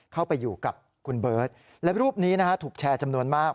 เข้าไปอยู่กับคุณเบิร์ตและรูปนี้นะฮะถูกแชร์จำนวนมาก